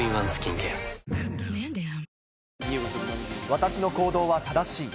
私の行動は正しい。